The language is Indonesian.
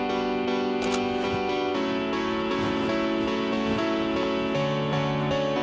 oke undang mimpi